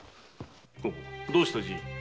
どうしたじい？